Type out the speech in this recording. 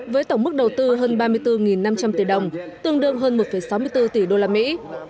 với tổng mức đầu tư hơn ba mươi bốn năm trăm linh tỷ đồng tương đương hơn một sáu mươi bốn tỷ đô la mỹ